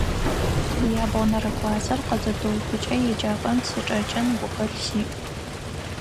Ябгъонэрэ классыр къызытыухыкӀэ еджапӀэм сычӀэкӀын гухэлъ сиӀ.